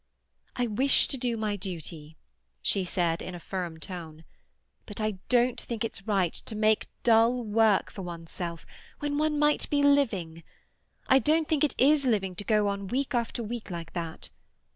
"I wish to do my duty," she said in a firm tone, "but I don't think it's right to make dull work for oneself, when one might be living. I don't think it is living to go on week after week like that.